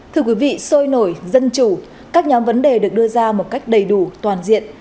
thưa quý vị sôi nổi dân chủ các nhóm vấn đề được đưa ra một cách đầy đủ toàn diện